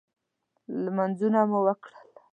لمنځونه مو وکړل.